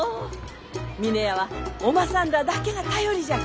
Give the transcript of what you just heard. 峰屋はおまさんらあだけが頼りじゃ。